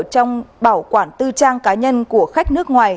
trong bảo quản tư trang cá nhân của khách nước ngoài